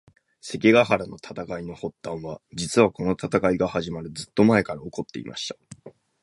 関ヶ原の戦いの発端は、実はこの戦いが始まるずっと前から起こっていました。